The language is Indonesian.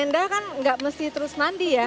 tenda kan gak mesti terus mandi ya